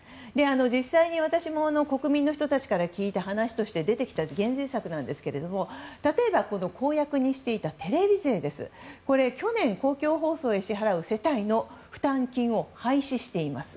実際に私も国民の人たちから聞いた話として出てきた減税策なんですが例えば、公約にしていたテレビ税ですがこれ、去年公共放送へ支払う世帯の負担金を廃止しています。